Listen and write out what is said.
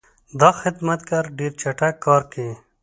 دا خدمتګر ډېر چټک کار کوي.